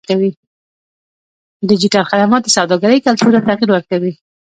ډیجیټل خدمات د سوداګرۍ کلتور ته تغیر ورکوي.